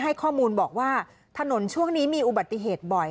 ให้ข้อมูลบอกว่าถนนช่วงนี้มีอุบัติเหตุบ่อย